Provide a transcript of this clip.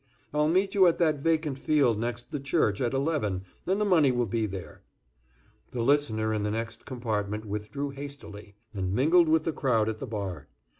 I'll meet you at that vacant field next the church, at eleven, and the money will be there." The listener in the next compartment withdrew hastily, and mingled with the crowd at the bar.